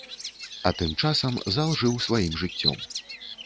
А тым часам зал жыў сваім жыццём.